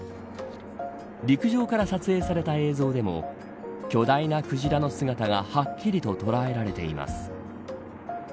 陸上から撮影された映像でも巨大なクジラの姿がはっきりと捉えられています。